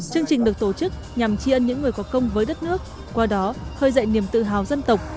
chương trình được tổ chức nhằm chi ơn những người có công với đất nước qua đó hơi dậy niềm tự hào dân tộc